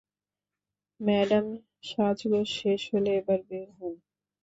Madam, সাজগোজ শেষ হলে এবার বের হোন!